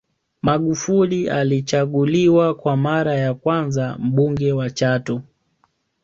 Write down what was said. Magufuli alichaguliwa kwa mara ya kwanza Mbunge wa Chato